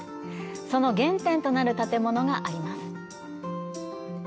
その原点となる建物があります。